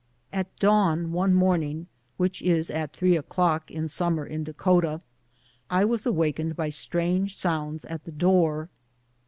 At dawn one morning — which is at three o'clock in summer in Dakota — I was awakened by strange sounds at the door.